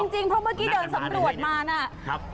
จริงเพราะเมื่อกี้เดินสำรวจมานะ